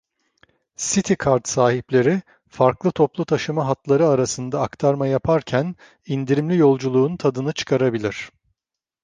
City Card sahipleri, farklı toplu taşıma hatları arasında aktarma yaparken indirimli yolculuğun tadını çıkarabilir.